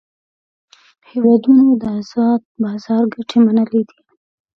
هیوادونو د آزاد بازار ګټې منلې دي